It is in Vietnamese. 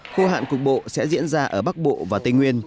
khô hạn cục bộ sẽ diễn ra ở bắc bộ và tây nguyên